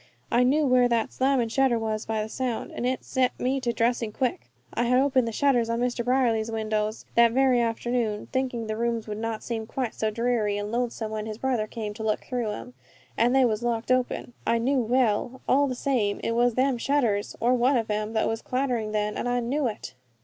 I knew where that slammin' shutter was by the sound, and it set me to dressing quick. I had opened the shutters on Mr. Brierly's windows that very afternoon, thinking the rooms would not seem quite so dreary and lonesome when his brother came to look through 'em and they was locked open, I knew well! All the same, it was them shutters, or one of 'em, that was clattering then, and I knew it."